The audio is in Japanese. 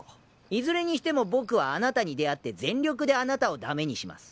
いずれにしても僕はあなたに出会って全力であなたを駄目にします。